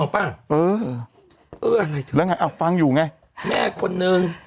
ปุ๋กก็ก็พูดว่าไงวันนึงมีแม่คนนึง